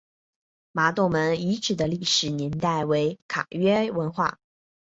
麻洞门遗址的历史年代为卡约文化。